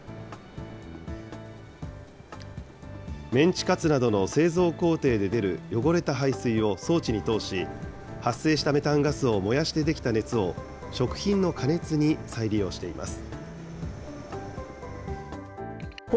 メンチカツなどの製造工程で出る汚れた排水を装置に通し、発生したメタンガスを燃やして出来た熱を、食品の加熱に再利用しています。